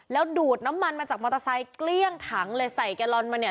แล้วดูดน้ำมันมาจากมอเตอร์ไซค์เกลี้ยงถังเลยใส่แกลลอนมาเนี่ย